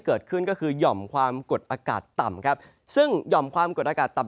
เกิดขึ้นก็คือหย่อมความกดอากาศต่ำครับซึ่งหย่อมความกดอากาศต่ำ